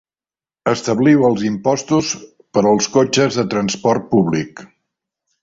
Establiu els impostos per als cotxes de transport públic.